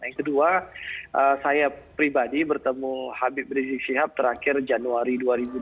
yang kedua saya pribadi bertemu habib rizik sihab terakhir januari dua ribu dua puluh